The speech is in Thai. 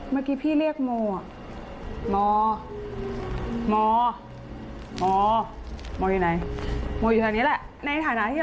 เมื่อกี้ได้ยินเหรอ